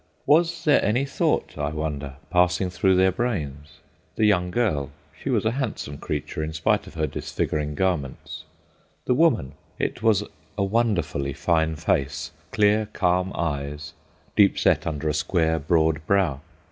Was there any thought, I wonder, passing through their brains? The young girl—she was a handsome creature in spite of her disfiguring garments. The woman—it was a wonderfully fine face: clear, calm eyes, deep set under a square broad brow.